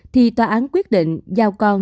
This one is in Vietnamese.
thì tòa án quyết định giao con